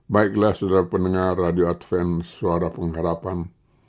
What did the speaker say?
baiklah saudara pendengar radio adven suara pengharapan